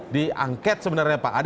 di angket sebenarnya pak